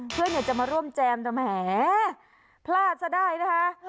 เพื่อนอยากจะมาร่วมแจมแต่แหมพลาดซะได้นะคะ